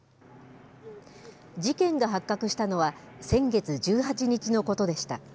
事件が発覚したのは、先月１８日のことでした。